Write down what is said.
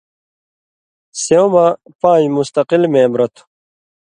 سیوں مہ پان٘ژ مُستقل مېمبرہ تھو